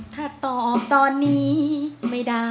ถ้าตอบตอนนี้ไม่ได้